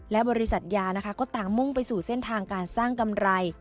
และบริษัทยานะคะก็ต่างมุ่งไปสู่เส้นทางการสร้างกำไร